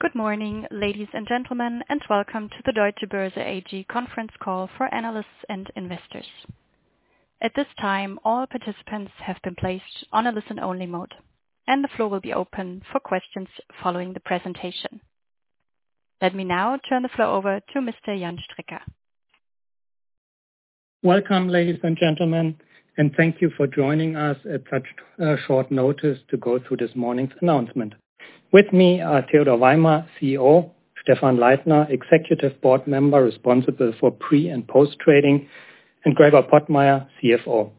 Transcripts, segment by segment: Good morning, ladies and gentlemen, welcome to the Deutsche Börse AG conference call for analysts and investors. At this time, all participants have been placed on a listen-only mode, and the floor will be open for questions following the presentation. Let me now turn the floor over to Mr. Jan Strecker. Welcome, ladies and gentlemen, and thank you for joining us at such short notice to go through this morning's announcement. With me are Theodor Weimer, CEO, Stephan Leithner, Executive Board Member responsible for Pre- and Post-Trading, and Gregor Pottmeyer, CFO.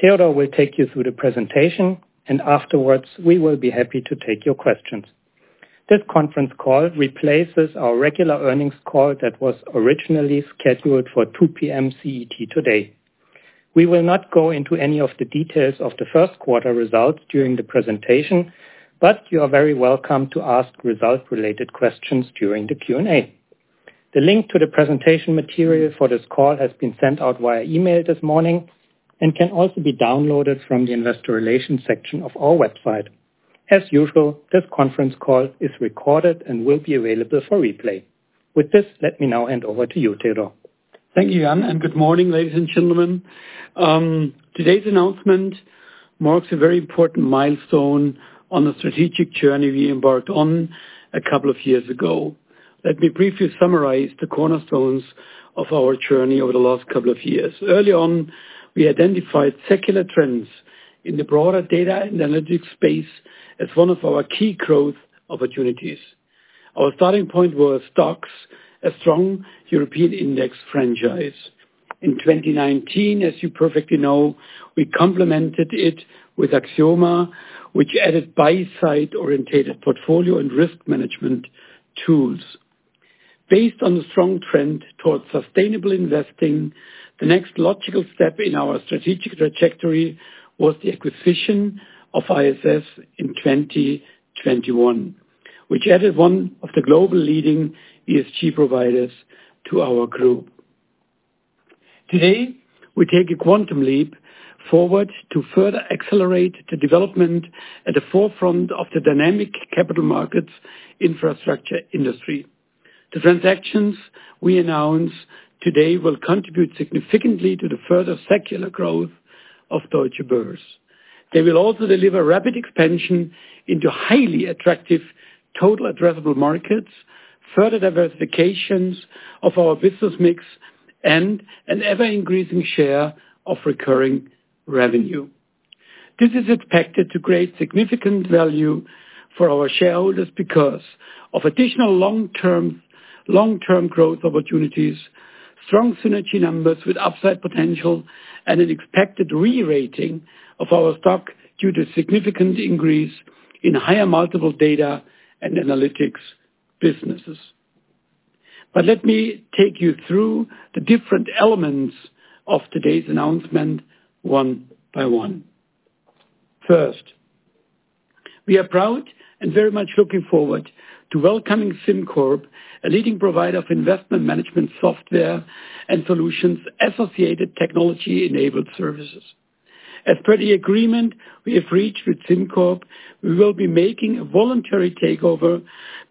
Theodor will take you through the presentation, and afterwards, we will be happy to take your questions. This conference call replaces our regular earnings call that was originally scheduled for 2:00 P.M. CET today. We will not go into any of the details of the first quarter results during the presentation, but you are very welcome to ask result-related questions during the Q&A. The link to the presentation material for this call has been sent out via email this morning and can also be downloaded from the investor relations section of our website. As usual, this conference call is recorded and will be available for replay. With this, let me now hand over to you, Theodor. Thank you, Jan, and good morning, ladies and gentlemen. Today's announcement marks a very important milestone on the strategic journey we embarked on a couple of years ago. Let me briefly summarize the cornerstones of our journey over the last couple of years. Early on, we identified secular trends in the broader data analytics space as one of our key growth opportunities. Our starting point was STOXX, a strong European index franchise. In 2019, as you perfectly know, we complemented it with Axioma, which added buy-side oriented portfolio and risk management tools. Based on the strong trend towards sustainable investing, the next logical step in our strategic trajectory was the acquisition of ISS in 2021, which added one of the global leading ESG providers to our group. Today, we take a quantum leap forward to further accelerate the development at the forefront of the dynamic capital markets infrastructure industry. The transactions we announce today will contribute significantly to the further secular growth of Deutsche Börse. They will also deliver rapid expansion into highly attractive total addressable markets, further diversifications of our business mix and an ever-increasing share of recurring revenue. This is expected to create significant value for our shareholders because of additional long-term growth opportunities, strong synergy numbers with upside potential, and an expected re-rating of our stock due to significant increase in higher multiple data and analytics businesses. Let me take you through the different elements of today's announcement one by one. First, we are proud and very much looking forward to welcoming SimCorp, a leading provider of investment management software and solutions associated technology-enabled services. As per the agreement we have reached with SimCorp, we will be making a voluntary takeover,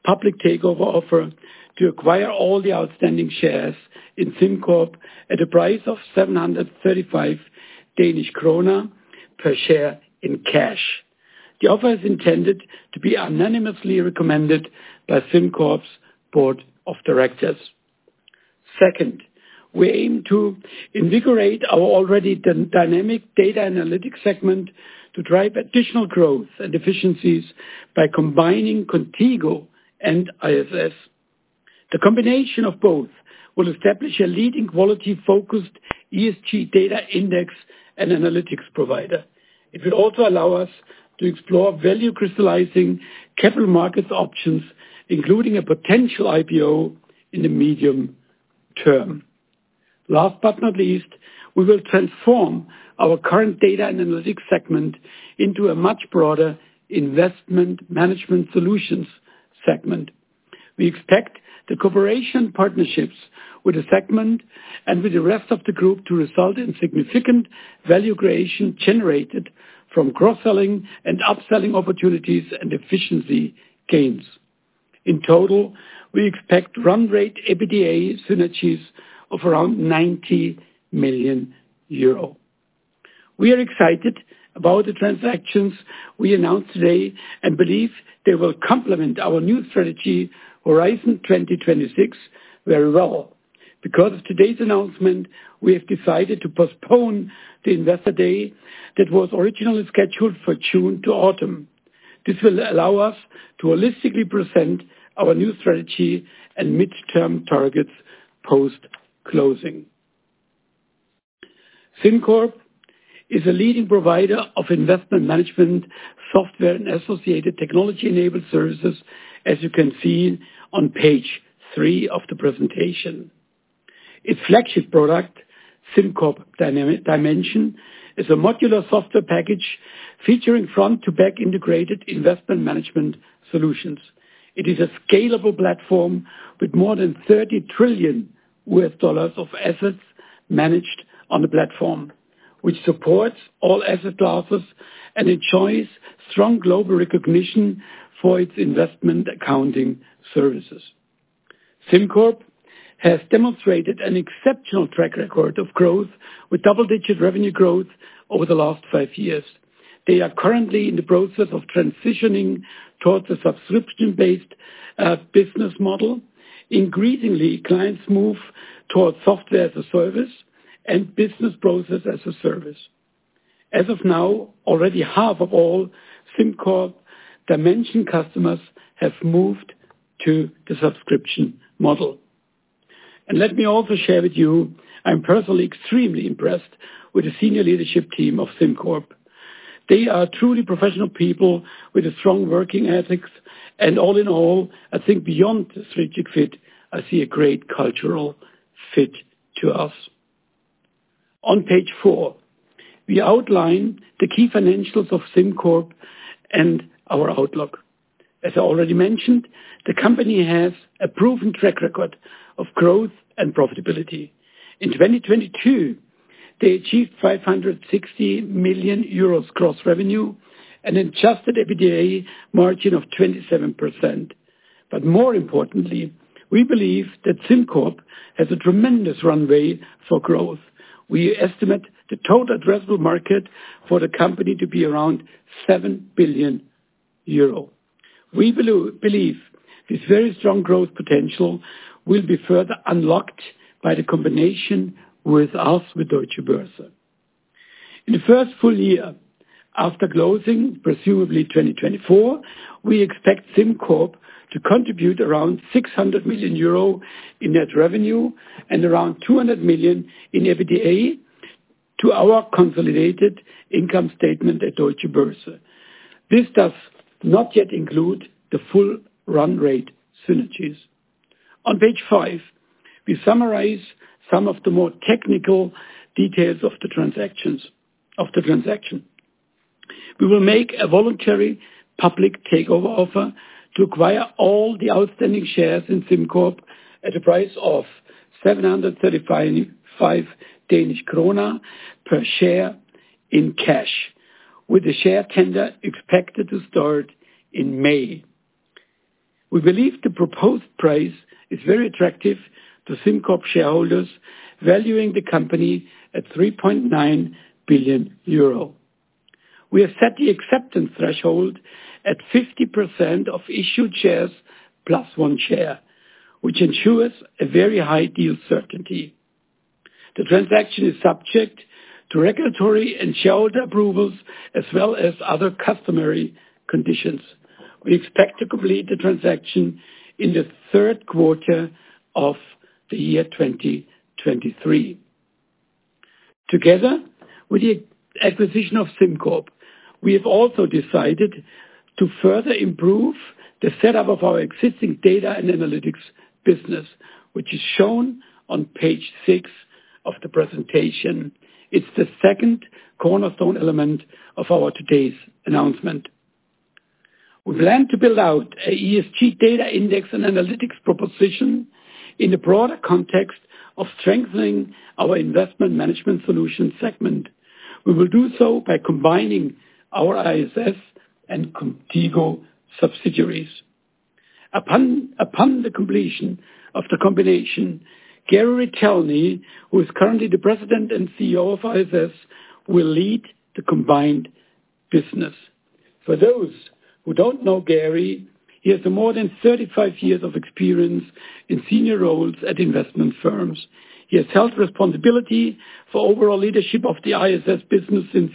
public takeover offer to acquire all the outstanding shares in SimCorp at a price of 735 Danish kroner per share in cash. The offer is intended to be unanimously recommended by SimCorp's board of directors. We aim to invigorate our already dynamic data analytics segment to drive additional growth and efficiencies by combining Qontigo and ISS. The combination of both will establish a leading quality-focused ESG data index and analytics provider. It will also allow us to explore value crystallizing capital markets options, including a potential IPO in the medium term. Last but not least, we will transform our current data analytics segment into a much broader investment management solutions segment. We expect the cooperation partnerships with the segment and with the rest of the group to result in significant value creation generated from cross-selling and upselling opportunities and efficiency gains. In total, we expect run rate EBITDA synergies of around 90 million euro. We are excited about the transactions we announced today and believe they will complement our new strategy, Horizon 2026, very well. Because of today's announcement, we have decided to postpone the Investor Day that was originally scheduled for June to autumn. This will allow us to holistically present our new strategy and midterm targets post-closing. SimCorp is a leading provider of investment management software and associated technology-enabled services, as you can see on page 3 of the presentation. Its flagship product, SimCorp Dimension, is a modular software package featuring front to back integrated investment management solutions. It is a scalable platform with more than $30 trillion of assets managed on the platform. Which supports all asset classes and enjoys strong global recognition for its investment accounting services. SimCorp has demonstrated an exceptional track record of growth with double-digit revenue growth over the last five years. They are currently in the process of transitioning towards a subscription-based business model. Increasingly, clients move towards software as a service and business process as a service. As of now, already half of all SimCorp Dimension customers have moved to the subscription model. Let me also share with you, I'm personally extremely impressed with the senior leadership team of SimCorp. They are truly professional people with a strong working ethics. All in all, I think beyond the strategic fit, I see a great cultural fit to us. On page 4, we outline the key financials of SimCorp and our outlook. As I already mentioned, the company has a proven track record of growth and profitability. In 2022, they achieved 560 million euros gross revenue and adjusted EBITDA margin of 27%. More importantly, we believe that SimCorp has a tremendous runway for growth. We believe this very strong growth potential will be further unlocked by the combination with us, with Deutsche Börse. In the first full year after closing, presumably 2024, we expect SimCorp to contribute around 600 million euro in net revenue and around 200 million in EBITDA to our consolidated income statement at Deutsche Börse. This does not yet include the full run rate synergies. On page five, we summarize some of the more technical details of the transaction. We will make a voluntary public takeover offer to acquire all the outstanding shares in SimCorp at a price of 735 Danish krone per share in cash, with the share tender expected to start in May. We believe the proposed price is very attractive to SimCorp shareholders, valuing the company at 3.9 billion euro. We have set the acceptance threshold at 50% of issued shares, plus one share, which ensures a very high deal certainty. The transaction is subject to regulatory and shareholder approvals as well as other customary conditions. We expect to complete the transaction in the third quarter of 2023. Together with the acquisition of SimCorp, we have also decided to further improve the setup of our existing data and analytics business, which is shown on page six of the presentation. It's the second cornerstone element of our today's announcement. We plan to build out a ESG data index and analytics proposition in the broader context of strengthening our investment management solution segment. We will do so by combining our ISS and Qontigo subsidiaries. Upon the completion of the combination, Gary Retelny, who is currently the President and CEO of ISS, will lead the combined business. For those who don't know Gary, he has more than 35 years of experience in senior roles at investment firms. He has held responsibility for overall leadership of the ISS business since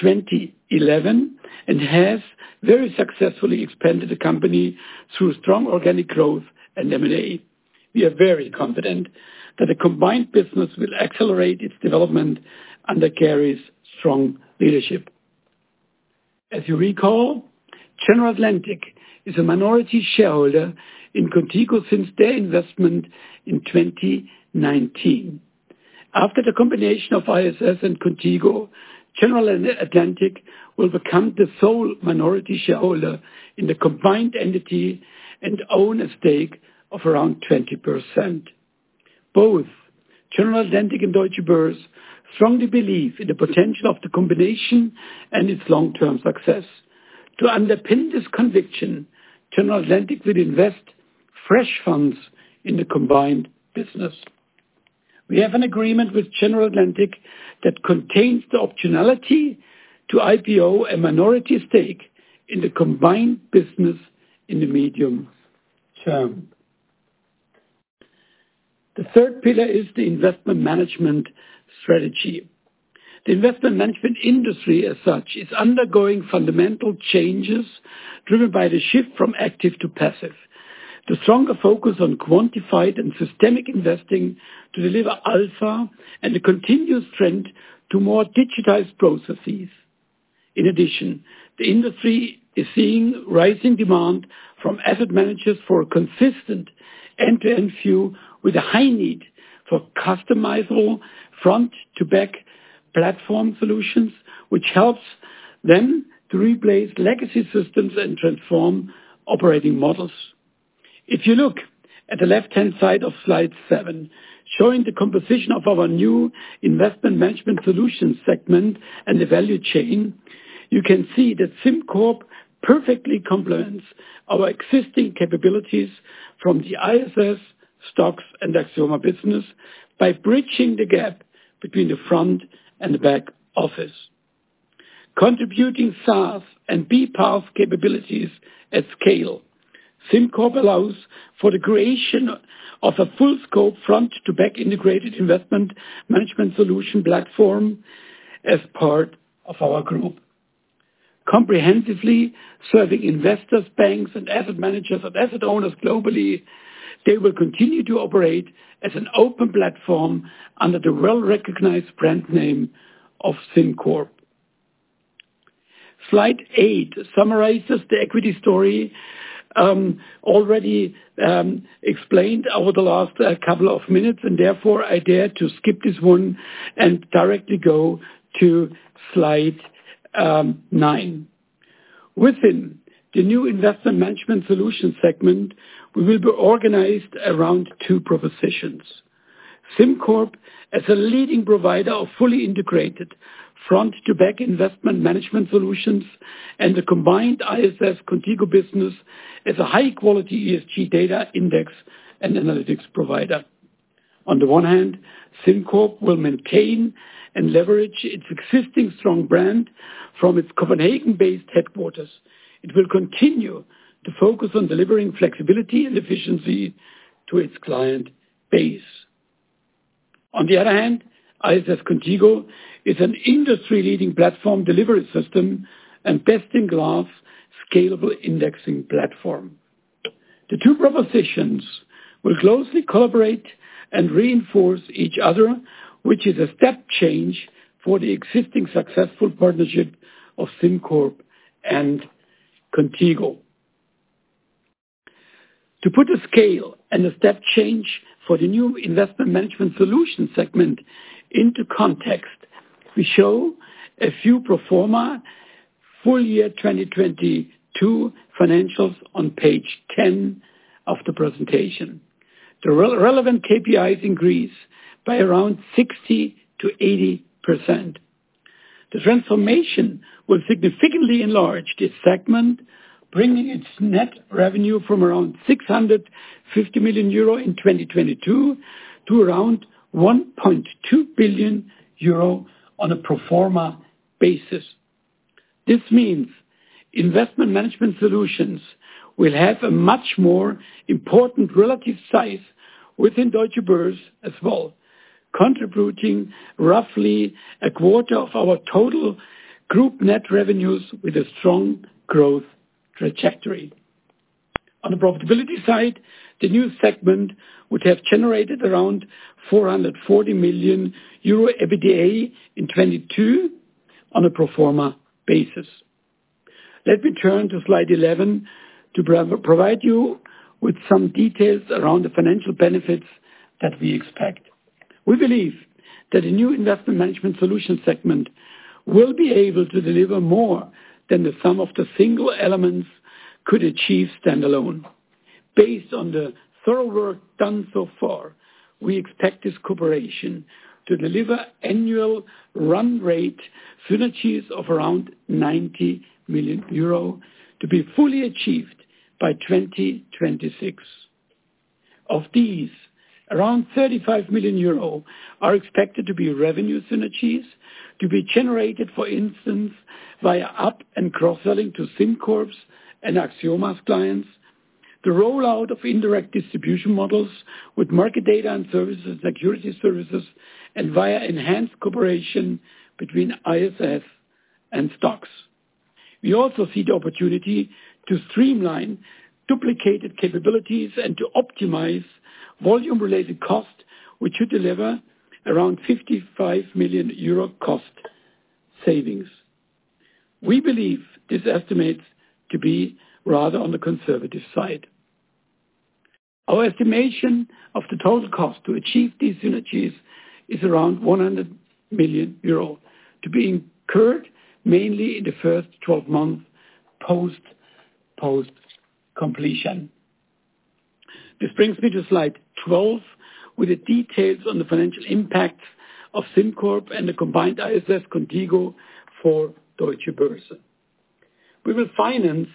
2011 and has very successfully expanded the company through strong organic growth and M&A. We are very confident that the combined business will accelerate its development under Gary's strong leadership. As you recall, General Atlantic is a minority shareholder in Qontigo since their investment in 2019. After the combination of ISS and Qontigo, General Atlantic will become the sole minority shareholder in the combined entity and own a stake of around 20%. Both General Atlantic and Deutsche Börse strongly believe in the potential of the combination and its long-term success. To underpin this conviction, General Atlantic will invest fresh funds in the combined business. We have an agreement with General Atlantic that contains the optionality to IPO a minority stake in the combined business in the medium term. The third pillar is the investment management strategy. The investment management industry as such, is undergoing fundamental changes driven by the shift from active to passive. The stronger focus on quantified and systemic investing to deliver alpha and a continuous trend to more digitized processes. In addition, the industry is seeing rising demand from asset managers for a consistent end-to-end view with a high need for customizable front-to-back platform solutions, which helps them to replace legacy systems and transform operating models. If you look at the left-hand side of slide 7, showing the composition of our new investment management solution segment and the value chain, you can see that SimCorp perfectly complements our existing capabilities from the ISS, STOXX and Axioma business by bridging the gap between the front and the back office. Contributing SaaS and BPaaS capabilities at scale. SimCorp allows for the creation of a full scope front to back integrated investment management solution platform as part of our group. Comprehensively serving investors, banks, and asset managers and asset owners globally, they will continue to operate as an open platform under the well-recognized brand name of SimCorp. Slide eight summarizes the equity story, already explained over the last couple of minutes, and therefore I dare to skip this one and directly go to slide nine. Within the new investment management solution segment, we will be organized around two propositions. SimCorp, as a leading provider of fully integrated front to back investment management solutions and the combined ISS Qontigo business as a high-quality ESG data index and analytics provider. On the one hand, SimCorp will maintain and leverage its existing strong brand from its Copenhagen-based headquarters. It will continue to focus on delivering flexibility and efficiency to its client base. On the other hand, ISS Qontigo is an industry-leading platform delivery system and best-in-class scalable indexing platform. The two propositions will closely collaborate and reinforce each other, which is a step change for the existing successful partnership of SimCorp and Qontigo. To put a scale and a step change for the new investment management solution segment into context, we show a few pro forma full year 2022 financials on page 10 of the presentation. The re-relevant KPIs increase by around 60%-80%. The transformation will significantly enlarge this segment, bringing its net revenue from around 650 million euro in 2022 to around 1.2 billion euro on a pro forma basis. This means investment management solutions will have a much more important relative size within Deutsche Börse as well, contributing roughly a quarter of our total group net revenues with a strong growth trajectory. On the profitability side, the new segment would have generated around 440 million euro EBITDA in 2022 on a pro forma basis. Let me turn to slide 11 to provide you with some details around the financial benefits that we expect. We believe that a new investment management solution segment will be able to deliver more than the sum of the single elements could achieve standalone. Based on the thorough work done so far, we expect this cooperation to deliver annual run rate synergies of around 90 million euro to be fully achieved by 2026. Of these, around 35 million euro are expected to be revenue synergies to be generated, for instance, via up and cross-selling to SimCorp's and Axioma's clients. The rollout of indirect distribution models with market data and services, security services, and via enhanced cooperation between ISS and STOXX. We also see the opportunity to streamline duplicated capabilities and to optimize volume-related costs, which should deliver around 55 million euro cost savings. We believe this estimate to be rather on the conservative side. Our estimation of the total cost to achieve these synergies is around 100 million euro to be incurred mainly in the first 12 months post completion. This brings me to slide 12 with the details on the financial impact of SimCorp and the combined ISS Qontigo for Deutsche Börse. We will finance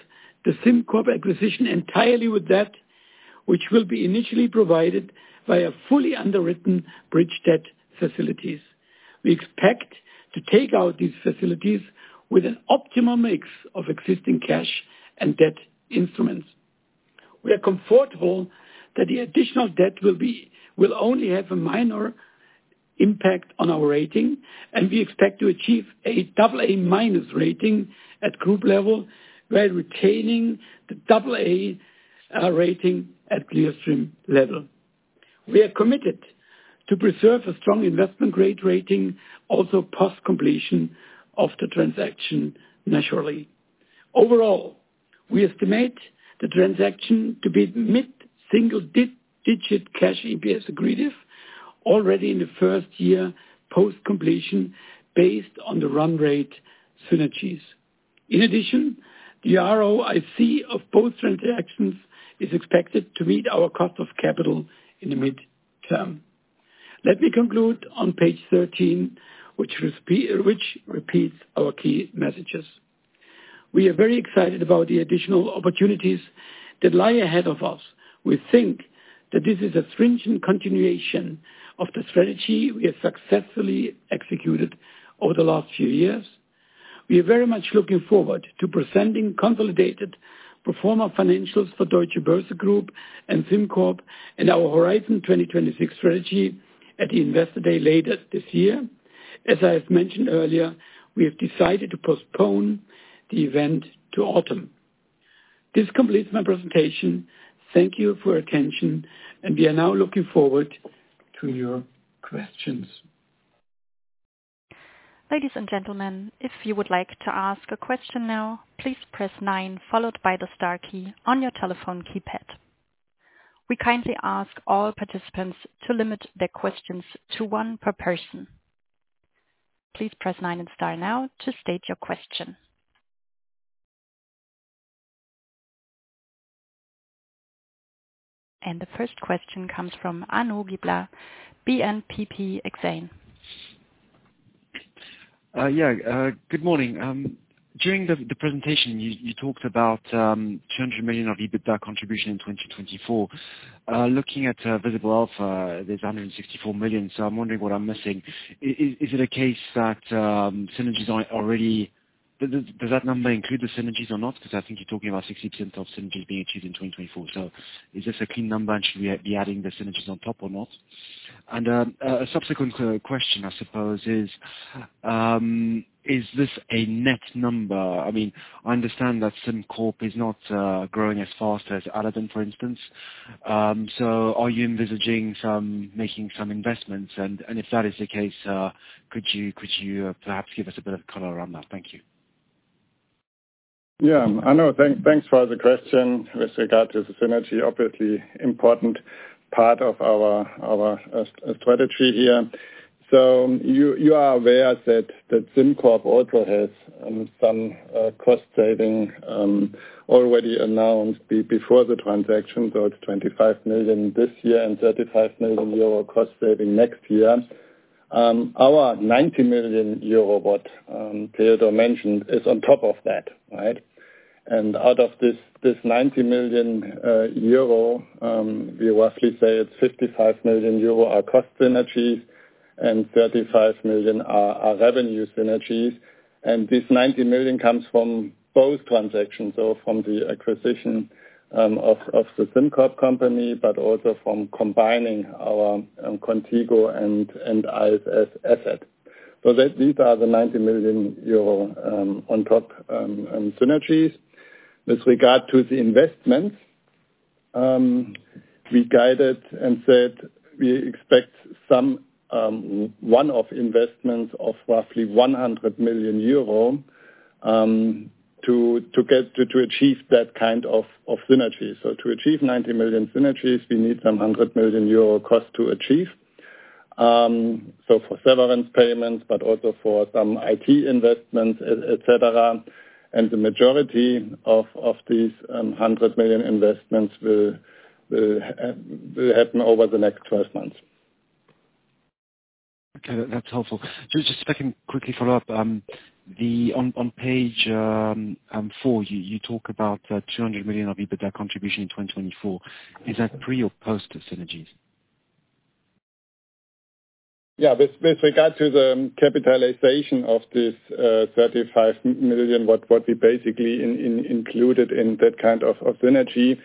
the SimCorp acquisition entirely with debt, which will be initially provided by a fully underwritten bridge debt facilities. We expect to take out these facilities with an optimum mix of existing cash and debt instruments. We are comfortable that the additional debt will only have a minor impact on our rating, and we expect to achieve a AA- rating at group level, while retaining the AA rating at Clearstream level. We are committed to preserve a strong investment-grade rating also post completion of the transaction, naturally. Overall, we estimate the transaction to be mid-single digit cash EPS accretive already in the first year post completion based on the run rate synergies. In addition, the ROIC of both transactions is expected to meet our cost of capital in the midterm. Let me conclude on page 13, which repeats our key messages. We are very excited about the additional opportunities that lie ahead of us. We think that this is a stringent continuation of the strategy we have successfully executed over the last few years. We are very much looking forward to presenting consolidated pro forma financials for Deutsche Börse Group and SimCorp and our Horizon 2026 strategy at the Investor Day later this year. As I have mentioned earlier, we have decided to postpone the event to autumn. This completes my presentation. Thank you for your attention, and we are now looking forward to your questions. Ladies and gentlemen, if you would like to ask a question now, please press 9 followed by the star key on your telephone keypad. We kindly ask all participants to limit their questions to 1 per person. Please press 9 and star now to state your question. The first question comes from Arnaud Giblat, BNP Paribas Exane. Yeah, good morning. During the presentation, you talked about 200 million of EBITDA contribution in 2024. Looking at Visible Alpha, there's 164 million, so I'm wondering what I'm missing. Is it a case that synergies are already... Does that number include the synergies or not? Because I think you're talking about 60% of synergies being achieved in 2024. Is this a clean number, and should we be adding the synergies on top or not? A subsequent question, I suppose, is this a net number? I mean, I understand that SimCorp is not growing as fast as Aladdin, for instance. Are you envisaging making some investments? If that is the case, could you perhaps give us a bit of color around that? Thank you. Yeah, Arnuaud, thanks for the question with regard to the synergy, obviously important part of our strategy here. You are aware that SimCorp also has some cost saving already announced before the transaction. It's 25 million this year and 35 million euro cost saving next year. Our 90 million euro, what Theodor mentioned, is on top of that, right? Out of this 90 million euro, we roughly say it's 55 million euro are cost synergies and 35 million are revenue synergies. This 90 million comes from both transactions. From the acquisition of the SimCorp company, but also from combining our Qontigo and ISS asset. These are the 90 million euro on top synergies. With regard to the investments, we guided and said we expect some one-off investments of roughly 100 million euro to achieve that kind of synergy. To achieve 90 million synergies, we need some 100 million euro cost to achieve. For severance payments but also for some IT investments, et cetera. The majority of these 100 million investments will happen over the next 12 months. Okay, that's helpful. Just if I can quickly follow up, on page four, you talk about 200 million of EBITDA contribution in 2024. Is that pre or post synergies? With regard to the capitalization of this 35 million, what we basically included in that kind of synergy,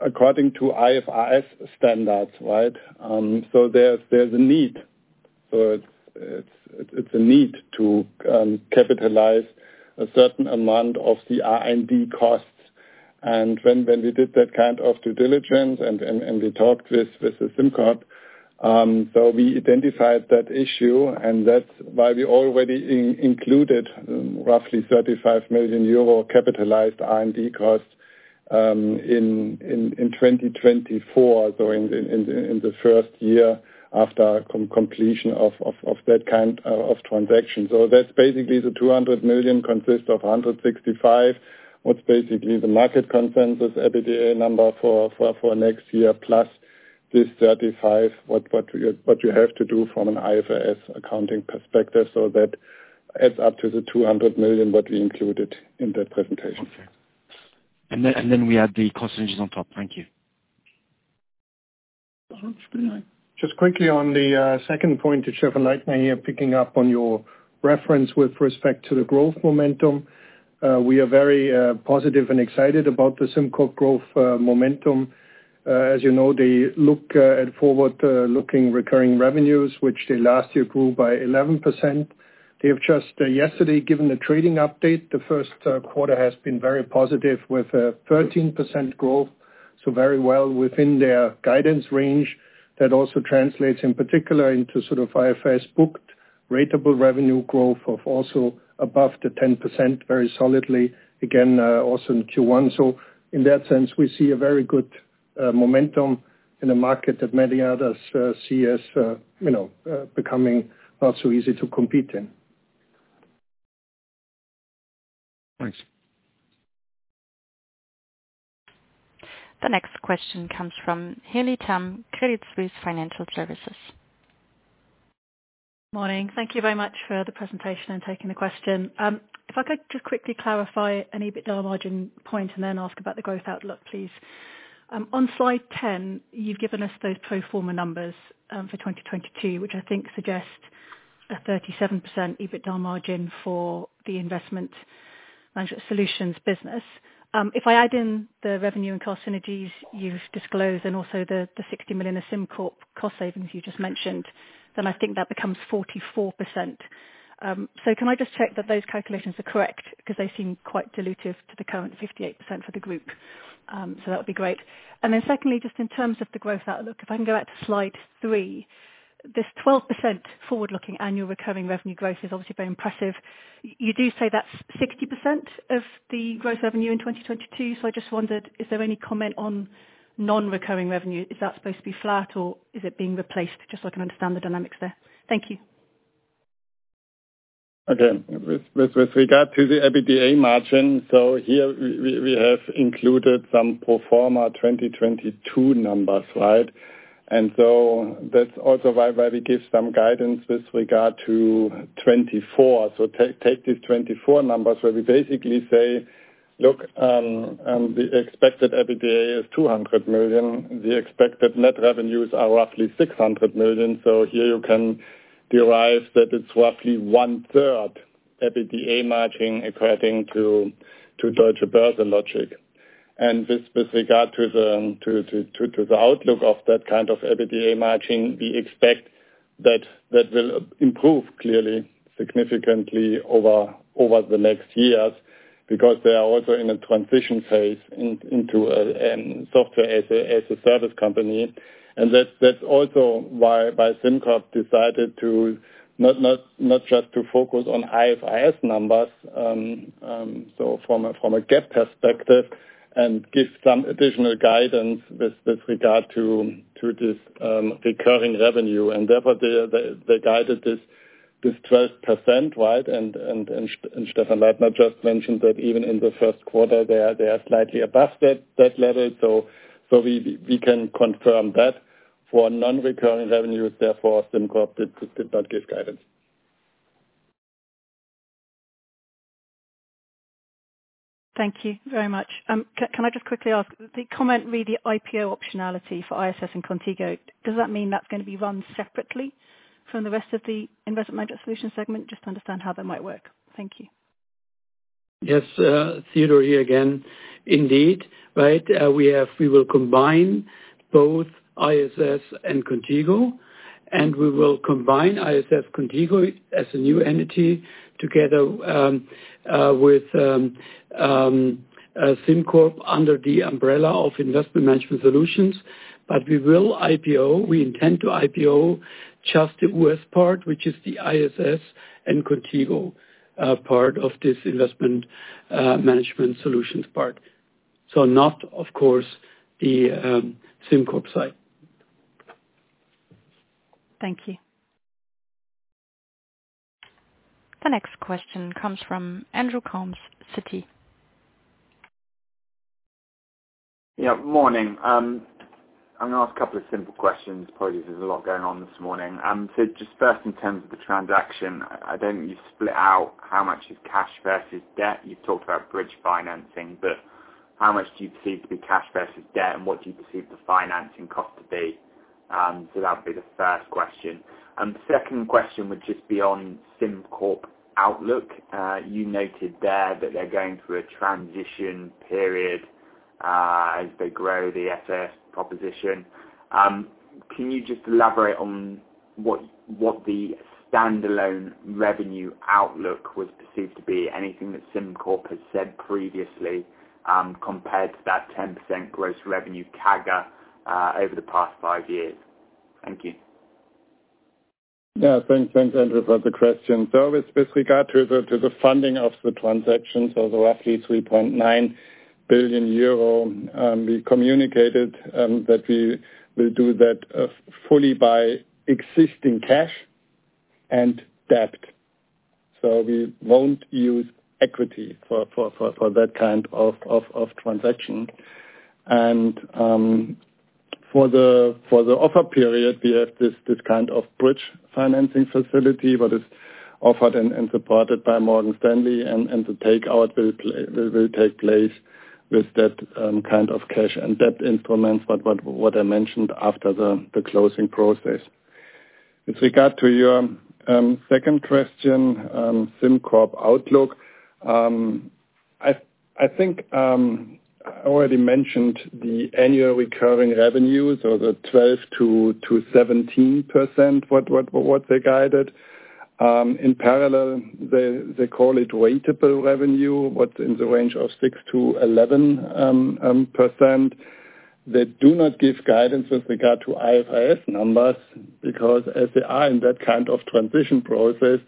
according to IFRS standards, right? There's a need. It's a need to capitalize a certain amount of the R&D costs. When we did that kind of due diligence and we talked with the SimCorp, we identified that issue, and that's why we already included roughly 35 million euro capitalized R&D costs in 2024, in the first year after completion of that kind of transaction. That's basically the 200 million consist of 165. What's basically the market consensus EBITDA number for next year, plus this 35, what you have to do from an IFRS accounting perspective. That adds up to the 200 million, what we included in that presentation. Okay. Then, we add the cost synergies on top. Thank you. Sure. Just quickly on the second point to shine a light on here, picking up on your reference with respect to the growth momentum. We are very positive and excited about the SimCorp growth momentum. As you know, they look at forward-looking recurring revenues, which they last year grew by 11%. They have just yesterday given the trading update. The first quarter has been very positive with 13% growth, so very well within their guidance range. That also translates in particular into sort of IFRS booked ratable revenue growth of also above the 10% very solidly again, also in Q1. In that sense, we see a very good- momentum in a market that many others see as, you know, becoming not so easy to compete in. Thanks. The next question comes from Haley Tam, Credit Suisse Financial Services. Morning. Thank you very much for the presentation and taking the question. If I could just quickly clarify an EBITDA margin point and then ask about the growth outlook, please. On slide 10, you've given us those pro forma numbers, for 2022, which I think suggest a 37% EBITDA margin for the investment management solutions business. If I add in the revenue and cost synergies you've disclosed and also the 60 million in SimCorp cost savings you just mentioned, then I think that becomes 44%. Can I just check that those calculations are correct because they seem quite dilutive to the current 58% for the group. That would be great. Secondly, just in terms of the growth outlook, if I can go back to slide 3. This 12% forward-looking annual recurring revenue growth is obviously very impressive. You do say that's 60% of the growth revenue in 2022. I just wondered, is there any comment on non-recurring revenue? Is that supposed to be flat, or is it being replaced? Just so I can understand the dynamics there. Thank you. Okay. With regard to the EBITDA margin, here we have included some pro forma 2022 numbers, right? That's also why we give some guidance with regard to 2024. Take these 2024 numbers where we basically say, "Look, the expected EBITDA is 200 million. The expected net revenues are roughly 600 million." Here you can derive that it's roughly 1/3 EBITDA margin according to Deutsche Börse logic. With regard to the outlook of that kind of EBITDA margin, we expect that will improve clearly significantly over the next years because they are also in a transition phase into software as a service company. That's also why SimCorp decided not just to focus on IFRS numbers, so from a GAAP perspective, and give some additional guidance with regard to this recurring revenue. Therefore, they guided this 12%, right? Stephan Leithner just mentioned that even in the first quarter they are slightly above that level. We can confirm that. For non-recurring revenues, therefore, SimCorp did not give guidance. Thank you very much. Can I just quickly ask, the comment re the IPO optionality for ISS and Qontigo, does that mean that's gonna be run separately from the rest of the investment management solution segment? Just to understand how that might work. Thank you. Yes. Theodor Weimer here again. Indeed, right? We will combine both ISS and Qontigo, and we will combine ISS, Qontigo as a new entity together, with SimCorp under the umbrella of investment management solutions. We will IPO, we intend to IPO just the U.S. part, which is the ISS and Qontigo, part of this investment management solutions part. Not, of course, the SimCorp side. Thank you. The next question comes from Andrew Coombs, Citi. Yeah. Morning. I'm gonna ask a couple of simple questions. Apologies, there's a lot going on this morning. Just first in terms of the transaction, I don't think you split out how much is cash versus debt. You've talked about bridge financing, but how much do you perceive to be cash versus debt, and what do you perceive the financing cost to be? That would be the first question. The second question would just be on SimCorp outlook. You noted there that they're going through a transition period as they grow the ISS proposition. Can you just elaborate on what the standalone revenue outlook was perceived to be? Anything that SimCorp has said previously, compared to that 10% gross revenue CAGR over the past 5 years? Thank you. Yeah. Thanks. Thanks, Andrew, for the question. With regard to the funding of the transaction, the roughly 3.9 billion euro, we communicated that we will do that fully by existing cash and debt. We won't use equity for that kind of transaction. For the offer period, we have this kind of bridge financing facility what is offered and supported by Morgan Stanley. The takeout will take place with that kind of cash and debt instruments, but what I mentioned after the closing process. With regard to your second question, SimCorp outlook, I think I already mentioned the annual recurring revenues or the 12%-17%, what they guided. In parallel, they call it ratable revenue, what's in the range of 6%-11%. They do not give guidance with regard to IFRS numbers because as they are in that kind of transition process.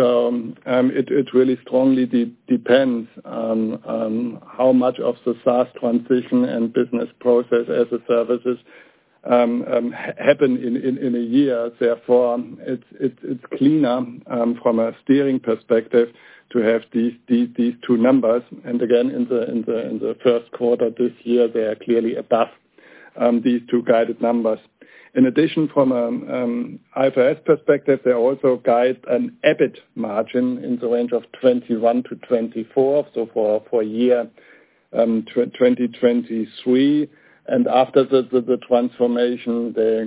It really strongly depends on how much of the SaaS transition and business process as a service happen in a year. Therefore, it's cleaner from a steering perspective to have these two numbers. Again, in the first quarter this year, they are clearly above these two guided numbers. In addition, from ISS perspective, they also guide an EBIT margin in the range of 21%-24%. For a year, 2023. After the transformation, they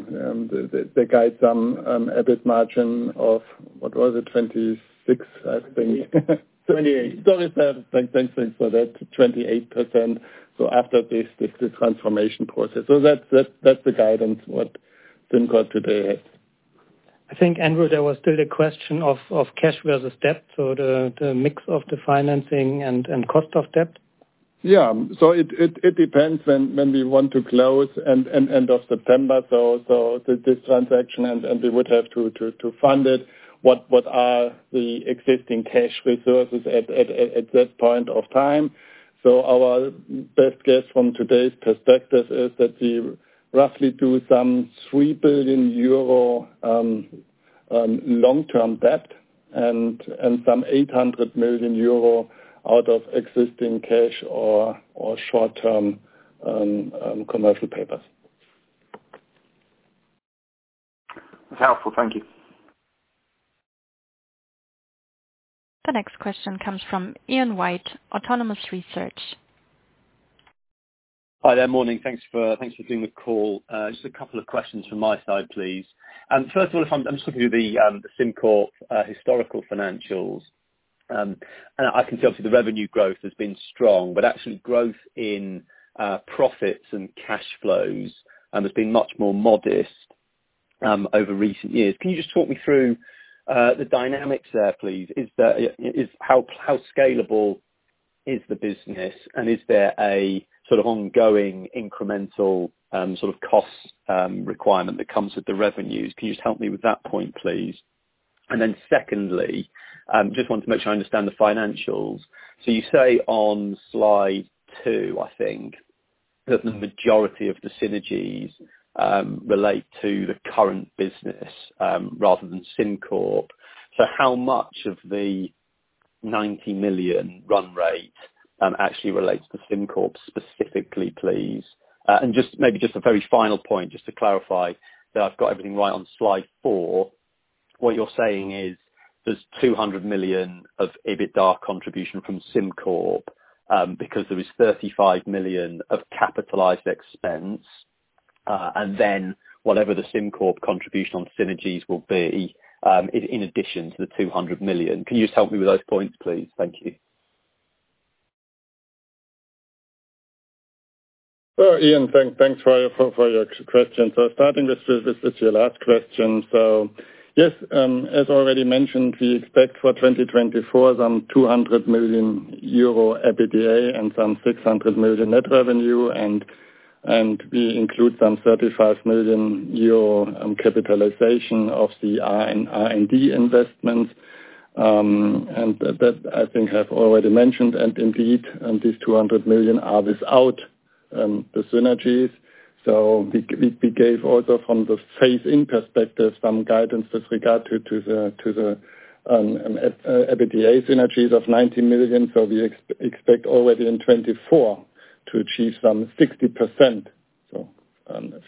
guide some EBIT margin of, what was it? 26%, I think. Twenty-eight. Sorry. Thanks for that. 28%. After this transformation process. That's the guidance, what SimCorp today has. I think, Andrew, there was still a question of cash versus debt. The mix of the financing and cost of debt. Yeah. It depends when we want to close end of September. This transaction and we would have to fund it, what are the existing cash resources at that point of time. Our best guess from today's perspective is that we roughly do some 3 billion euro long-term debt and some 800 million euro out of existing cash or short-term commercial papers. That's helpful. Thank you. The next question comes from Ian White, Autonomous Research. Hi there. Morning. Thanks for, thanks for doing the call. Just a couple of questions from my side, please. First of all, if I'm just looking at the SimCorp historical financials. I can see obviously the revenue growth has been strong, but actually growth in profits and cash flows has been much more modest over recent years. Can you just talk me through the dynamics there, please? How scalable is the business? Is there a sort of ongoing incremental sort of cost requirement that comes with the revenues? Can you just help me with that point, please? Then secondly, just want to make sure I understand the financials. You say on slide two, I think, that the majority of the synergies relate to the current business rather than SimCorp. How much of the 90 million run rate actually relates to SimCorp specifically, please? Just maybe just a very final point, just to clarify that I've got everything right on slide four. What you're saying is there's 200 million of EBITDA contribution from SimCorp because there is 35 million of capitalized expense and then whatever the SimCorp contribution on synergies will be in addition to the 200 million. Can you just help me with those points, please? Thank you. Ian, thanks for your question. Starting with your last question. Yes, as already mentioned, we expect for 2024 some 200 million euro EBITDA and some 600 million EUR net revenue, and we include some 35 million euro capitalization of the R and R&D investments, and that I think I've already mentioned. Indeed, this 200 million EUR are without the synergies. We gave also from the phase-in perspective some guidance with regard to the EBITDA synergies of 90 million EUR. We expect already in 2024 to achieve some 60%, so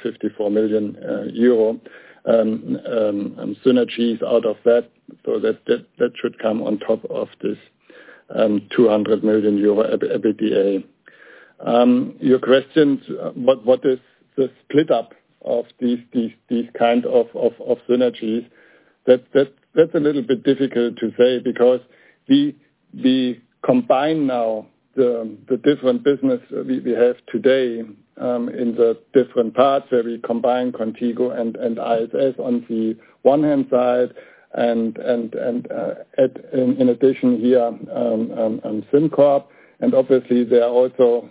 54 million euro synergies out of that. That should come on top of this 200 million euro EBITDA. Your questions, what is the split up of these kind of synergies? That's a little bit difficult to say because we combine now the different business we have today, in the different parts, where we combine Qontigo and ISS on the one hand side, and in addition here, SimCorp. Obviously there are also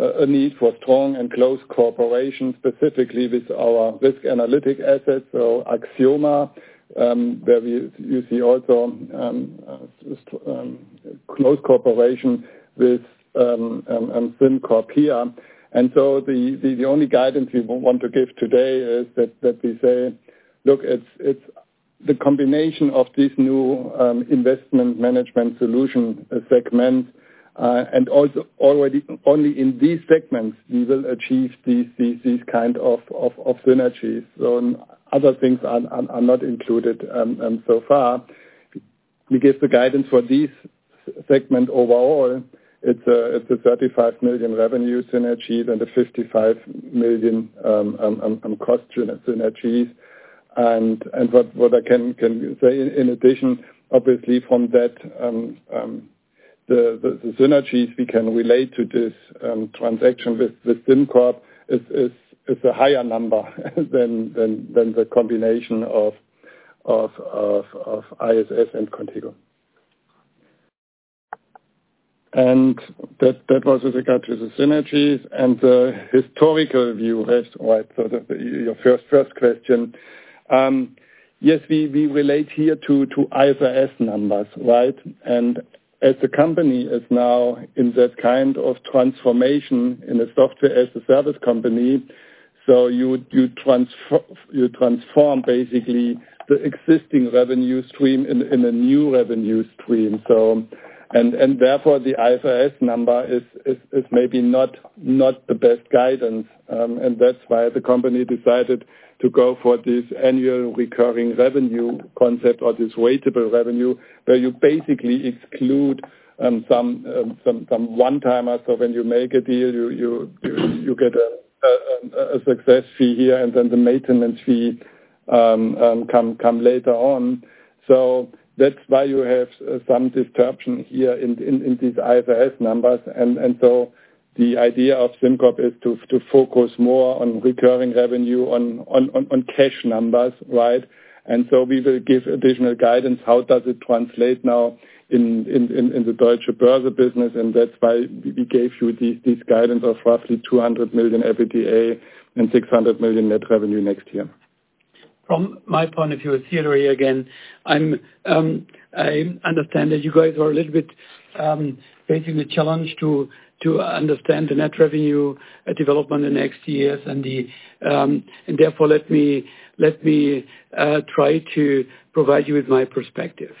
a need for strong and close cooperation, specifically with our risk analytic assets. So Axioma, you see also close cooperation with SimCorp here. The only guidance we want to give today is that we say, look, it's the combination of this new investment management solution segment, and also already only in these segments we will achieve these kind of synergies. Other things are not included. Far, we give the guidance for this segment overall. It's a 35 million revenue synergies and a 55 million cost synergies. What I can say in addition, obviously from that, the synergies we can relate to this transaction with SimCorp is a higher number than the combination of ISS and Qontigo. That was with regard to the synergies and the historical view has, right? So, your first question. Yes, we relate here to IFRS numbers, right? As the company is now in that kind of transformation in a software as a service company, so you would, you transform basically the existing revenue stream in a new revenue stream. Therefore the IFRS number is maybe not the best guidance. That's why the company decided to go for this annual recurring revenue concept or this weightable revenue where you basically exclude some one-timers. When you make a deal you get a success fee here, and then the maintenance fee come later on. That's why you have some disruption here in these IFRS numbers. The idea of SimCorp is to focus more on recurring revenue on cash numbers, right? We will give additional guidance, how does it translate now in the Deutsche Börse business, and that's why we gave you these guidance of roughly 200 million EBITDA and 600 million net revenue next year. From my point of view, it's Theodor again. I understand that you guys are a little bit facing the challenge to understand the net revenue development in the next years. Therefore, let me try to provide you with my perspective.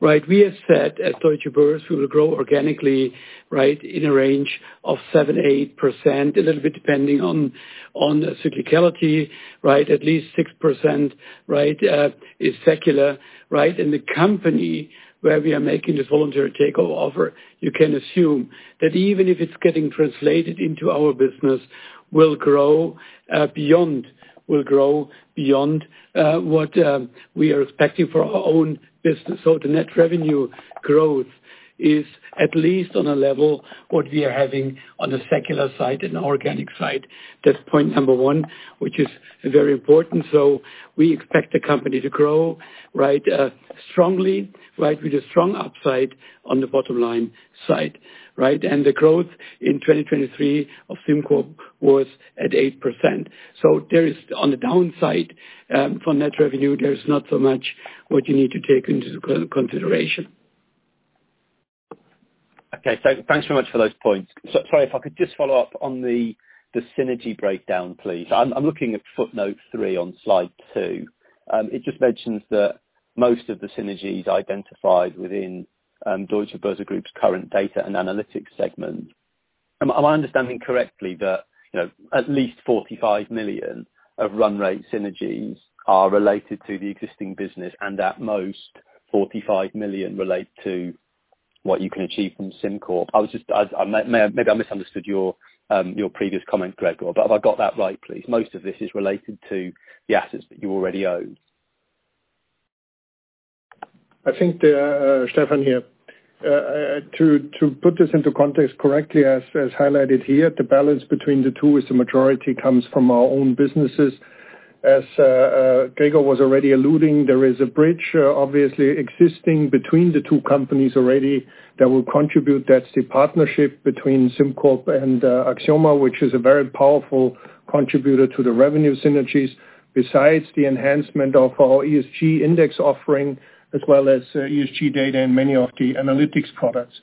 We have said at Deutsche Börse we will grow organically in a range of 7%-8%, a little bit depending on cyclicality. At least 6% is secular. In the company where we are making this voluntary takeover offer, you can assume that even if it's getting translated into our business will grow beyond what we are expecting for our own business. The net revenue growth is at least on a level what we are having on the secular side and organic side. That's point number 1, which is very important. We expect the company to grow, right, strongly, right, with a strong upside on the bottom line side, right? The growth in 2023 of SimCorp was at 8%. There is on the downside, for net revenue, there is not so much what you need to take into consideration. Okay. Thanks so much for those points. Sorry, if I could just follow up on the synergy breakdown, please. I'm looking at footnote 3 on slide 2. It just mentions that most of the synergies identified within Deutsche Börse Group's current data and analytics segment. Am I understanding correctly that, you know, at least 45 million of run rate synergies are related to the existing business and at most 45 million relate to what you can achieve from SimCorp? I maybe I misunderstood your previous comment, Gregor, but have I got that right, please? Most of this is related to the assets that you already own. I think the Stefan here. To put this into context correctly, as highlighted here, the balance between the two is the majority comes from our own businesses. As Gregor was already alluding, there is a bridge obviously existing between the two companies already that will contribute. That's the partnership between SimCorp and Axioma, which is a very powerful contributor to the revenue synergies besides the enhancement of our ESG index offering, as well as ESG data and many of the analytics products.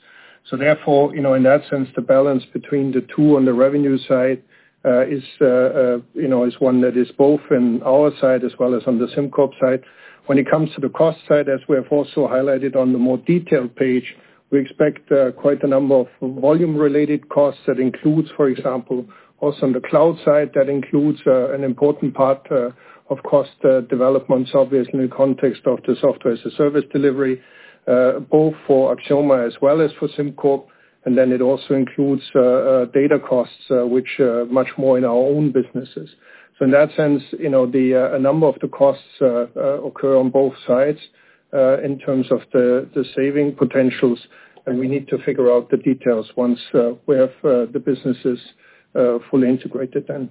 Therefore, you know, in that sense, the balance between the two on the revenue side, you know, is one that is both in our side as well as on the SimCorp side. When it comes to the cost side, as we have also highlighted on the more detailed page, we expect quite a number of volume-related costs. That includes, for example, also on the cloud side, that includes an important part of cost developments, obviously in the context of the software as a service delivery, both for Axioma as well as for SimCorp. Then it also includes data costs, which much more in our own businesses. In that sense, you know, the a number of the costs occur on both sides, in terms of the saving potentials, and we need to figure out the details once we have the businesses fully integrated then.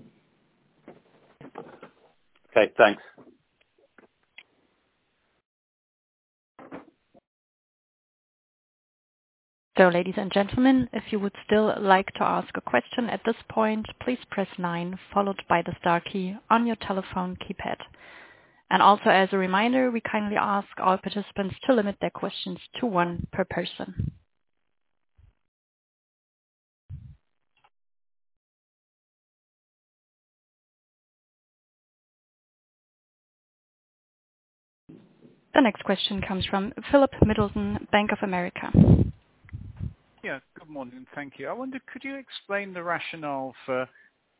Okay, thanks. Ladies and gentlemen, if you would still like to ask a question at this point, please press nine followed by the star key on your telephone keypad. As a reminder, we kindly ask all participants to limit their questions to one per person. The next question comes from Philip Middleton, Bank of America. Yeah. Good morning. Thank you. I wonder, could you explain the rationale for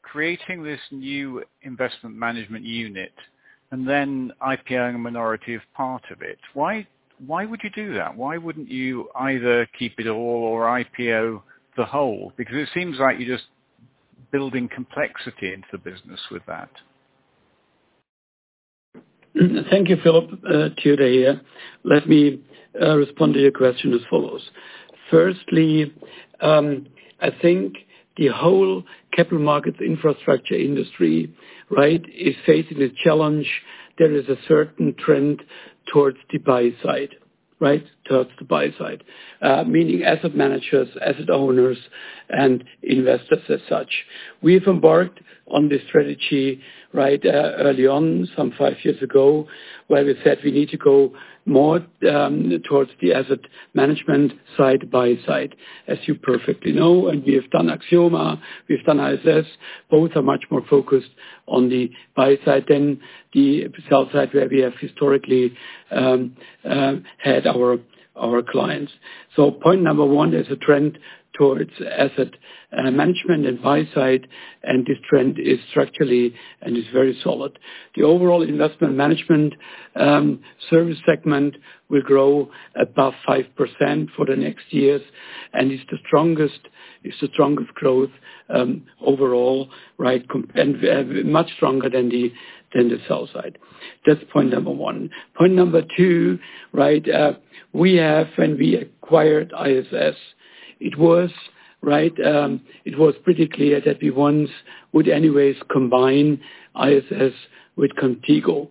creating this new investment management unit and then IPO-ing a minority of part of it? Why would you do that? Why wouldn't you either keep it all or IPO the whole? It seems like you're just building complexity into the business with that. Thank you, Philip. Theodor here. Let me respond to your question as follows. Firstly, I think the whole capital markets infrastructure industry, right, is facing the challenge. There is a certain trend towards the buy side, right? Towards the buy side. Meaning asset managers, asset owners, and investors as such. We've embarked on this strategy right, early on, some five years ago, where we said we need to go more towards the asset management side, buy side, as you perfectly know, and we have done Axioma, we've done ISS. Both are much more focused on the buy side than the sell side, where we have historically had our clients. So point number one is a trend towards asset management and buy side, and this trend is structurally and is very solid. The overall investment management service segment will grow above 5% for the next years and is the strongest growth overall, right? And much stronger than the sell side. That's point number 1. Point number 2, right, when we acquired ISS, it was, right, it was pretty clear that we once would anyways combine ISS with Qontigo.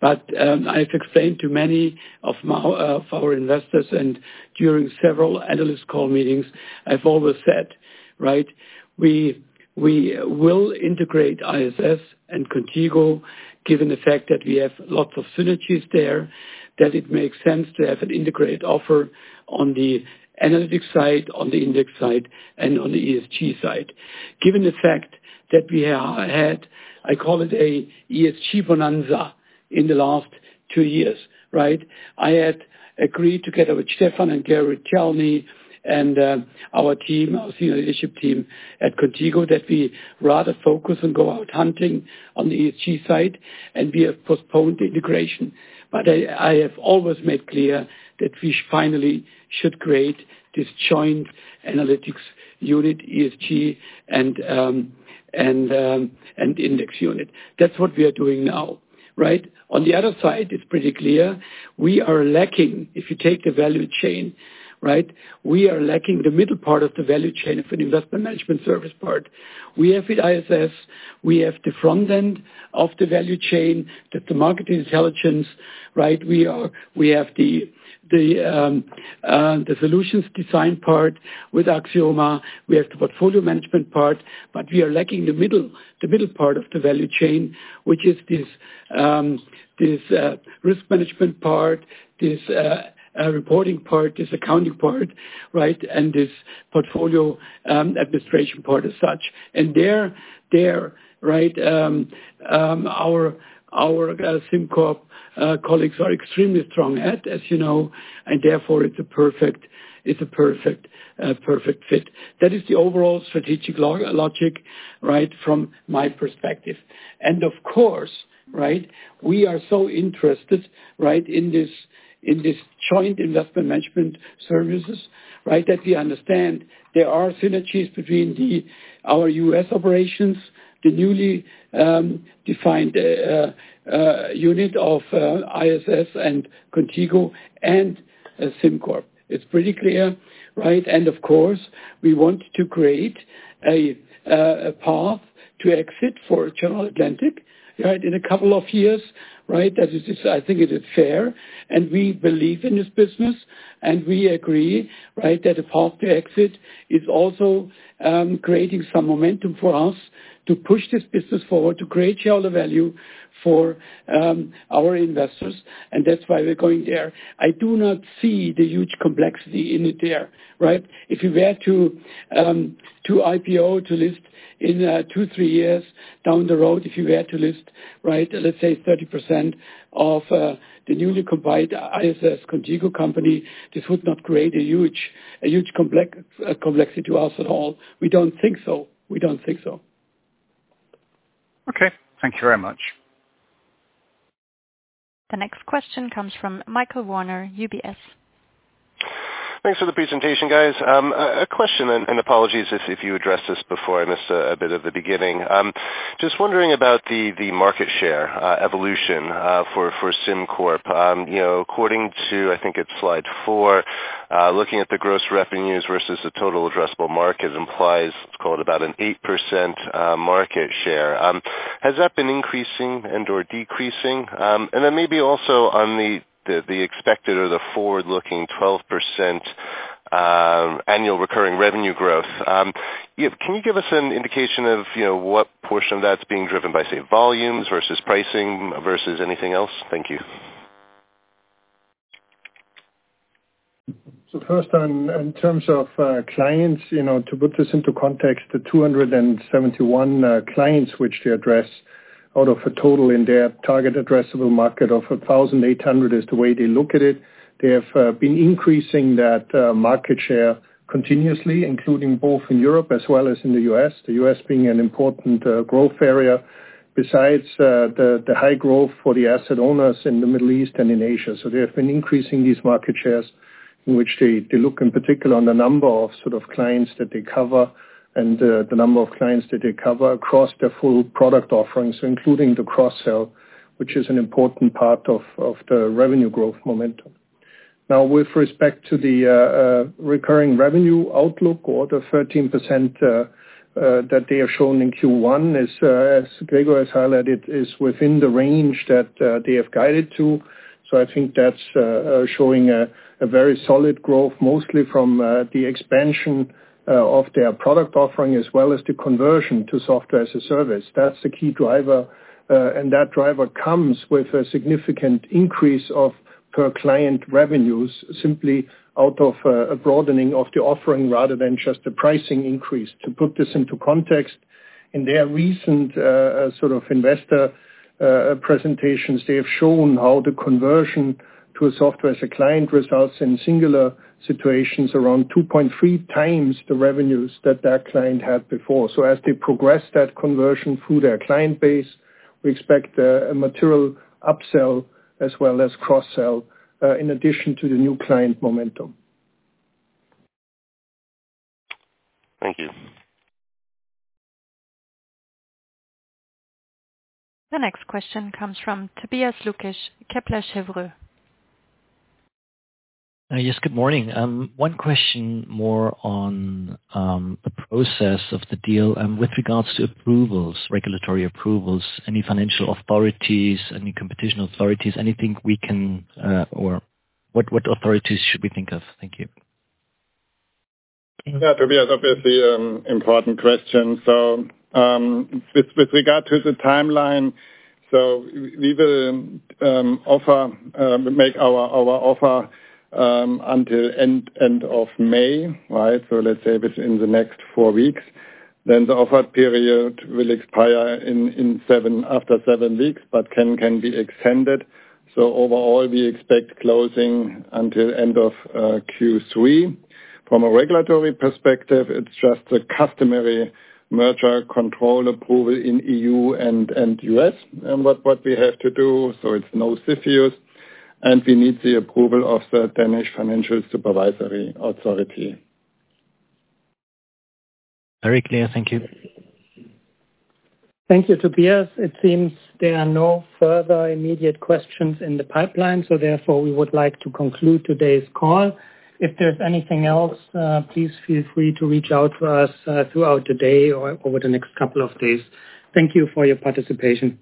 I've explained to many of our investors and during several analyst call meetings, I've always said, right, we will integrate ISS and Qontigo, given the fact that we have lots of synergies there, that it makes sense to have an integrated offer on the analytics side, on the index side, and on the ESG side. Given the fact that we had, I call it a ESG bonanza in the last 2 years, right? I had agreed together with Stephan and Gary Retelny and our team, our senior leadership team at Qontigo, that we rather focus and go out hunting on the ESG side, and we have postponed the integration. I have always made clear that we finally should create this joint analytics unit, ESG, and and index unit. That's what we are doing now, right. On the other side, it's pretty clear we are lacking, if you take the value chain, right, we are lacking the middle part of the value chain of an investment management service part. We have the ISS. We have the front end of the value chain that the market intelligence, right. We have the solutions design part with Axioma. We have the portfolio management part. We are lacking the middle part of the value chain, which is this risk management part, this reporting part, this accounting part, right, and this portfolio administration part as such. There, right, our SimCorp colleagues are extremely strong at, as you know, and therefore it's a perfect fit. That is the overall strategic log-logic, right, from my perspective. Of course, right, we are so interested, right, in this, in this joint investment management services, right, that we understand there are synergies between our U.S. operations, the newly defined unit of ISS and Qontigo and SimCorp. It's pretty clear, right? Of course, we want to create a path to exit for General Atlantic, right, in a couple of years, right? As it is, I think it is fair. We believe in this business. We agree, right, that a path to exit is also creating some momentum for us to push this business forward, to create shareholder value for our investors. That's why we're going there. I do not see the huge complexity in it there, right? If we were to IPO, to list in 2, 3 years down the road, if you were to list, right, let's say 30% of the newly combined ISS Qontigo company, this would not create a huge complexity to us at all. We don't think so. We don't think so. Okay. Thank you very much. The next question comes from Michael Werner, UBS. Thanks for the presentation, guys. A question, and apologies if you addressed this before. I missed a bit of the beginning. Just wondering about the market share evolution for SimCorp. You know, according to, I think it's slide 4, looking at the gross revenues versus the total addressable market implies, let's call it about an 8% market share. Has that been increasing and/or decreasing? And then maybe also on the expected or the forward-looking 12% annual recurring revenue growth. Can you give us an indication of, you know, what portion of that's being driven by, say, volumes versus pricing versus anything else? Thank you. First on, in terms of clients, you know, to put this into context, the 271 clients which they address out of a total in their target addressable market of 1,800 is the way they look at it. They have been increasing that market share continuously, including both in Europe as well as in the US. The US being an important growth area besides the high growth for the asset owners in the Middle East and in Asia. They have been increasing these market shares in which they look in particular on the number of sort of clients that they cover and the number of clients that they cover across their full product offerings, including the cross-sell, which is an important part of the revenue growth momentum. With respect to the recurring revenue outlook or the 13% that they have shown in Q1 is as Gregor has highlighted, is within the range that they have guided to. I think that's showing a very solid growth, mostly from the expansion of their product offering as well as the conversion to software as a service. That's the key driver, and that driver comes with a significant increase of per client revenues simply out of a broadening of the offering rather than just the pricing increase. To put this into context, in their recent sort of investor presentations, they have shown how the conversion to a software as a client results in singular situations around 2.3x the revenues that that client had before. As they progress that conversion through their client base, we expect a material upsell as well as cross-sell, in addition to the new client momentum. Thank you. The next question comes from Tobias Lukesch, Kepler Cheuvreux. Yes, good morning. One question more on the process of the deal, with regards to approvals, regulatory approvals, any financial authorities, any competition authorities, anything we can or what authorities should we think of? Thank you. Tobias, obviously, important question. With regard to the timeline, we will make our offer until end of May, right? Let's say within the next 4 weeks. The offer period will expire after 7 weeks, but can be extended. Overall, we expect closing until end of Q3. From a regulatory perspective, it's just a customary merger control approval in EU and US, what we have to do, it's no CFIUS, and we need the approval of the Danish Financial Supervisory Authority. Very clear. Thank you. Thank you, Tobias. It seems there are no further immediate questions in the pipeline, therefore we would like to conclude today's call. If there's anything else, please feel free to reach out to us throughout the day or over the next couple of days. Thank you for your participation.